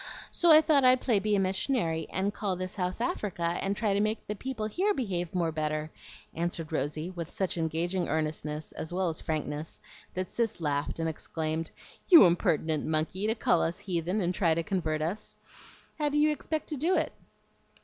So I thought I'd play be a missionary, and call this house Africa, and try to make the people here behave more better," answered Rosy, with such engaging earnestness, as well as frankness, that Cis laughed, and exclaimed, "You impertinent monkey, to call us heathen and try to convert us! How do you expect to do it?"